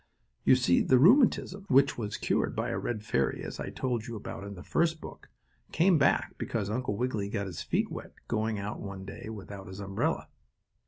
You see the rheumatism which was cured by a red fairy, as I told you about in the first book, came back because Uncle Wiggily got his feet wet going out one day without his umbrella.